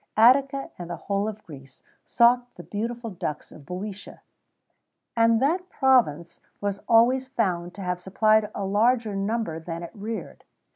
Attica and the whole of Greece sought the beautiful ducks of Bœotia,[XVII 38] and that province was always found to have supplied a larger number than it reared.